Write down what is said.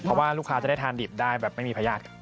เพราะว่าลูกค้าจะได้ทานดิบได้แบบไม่มีพญาติ